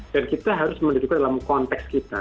dan kita harus menentukan dalam konteks kita